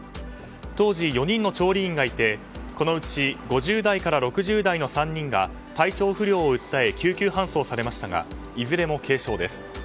当時４人の調理員がいてこのうち５０代から６０代の３人が３人が体調不良を訴え救急搬送されましたがいずれも軽症です。